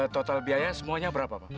total biaya semuanya berapa pak